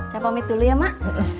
saya pamit dulu ya mak